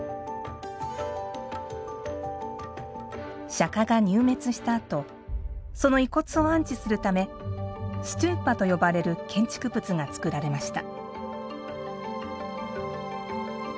釈迦が入滅したあとその遺骨を安置するためストゥーパと呼ばれる建築物が造られました。